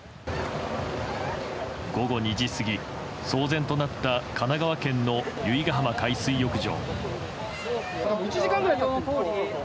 午後２時過ぎ、騒然となった神奈川県の由比ガ浜海水浴場。